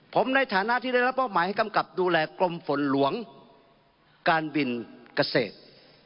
ผมในฐานะที่ได้รับมอบหมายให้กำกับดูแลกรมฝนหลวงการบินเกษตร